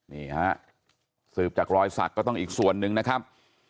นี่ฮะสืบจากรอยสักก็ต้องอีกส่วนหนึ่งนะครับ